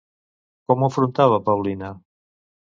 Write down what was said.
Com ho afrontava Paulina?